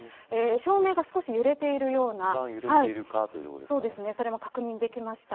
照明が少し揺れているようなそれも確認できました。